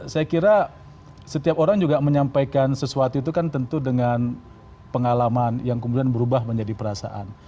saya kira setiap orang juga menyampaikan sesuatu itu kan tentu dengan pengalaman yang kemudian berubah menjadi perasaan